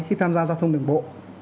khi tham gia giao thông đường bộ